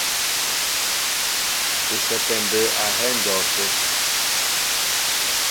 Ú sɛ́pɛ mbə̌ a hɛ́ á ndɔw sə́.